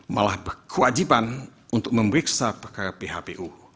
malah kewajiban untuk memeriksa perkara phpu